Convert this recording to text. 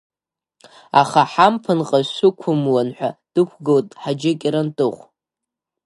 Аха ҳамԥынҟа шәықәымлан ҳәа дықәгылт Ҳаџьы Кьарантыхә.